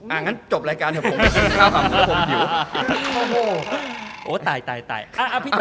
อะงั้นจบรายการเดี่ยวผมไปเคียบข้าวก่าวคุกหิว